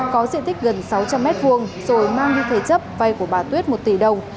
có diện tích gần sáu trăm linh m hai rồi mang như thế chấp vay của bà tuyết một tỷ đồng